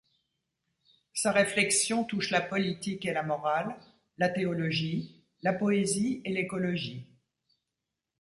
Sa réflexion touche la politique et la morale, la théologie, la poésie et l'écologie.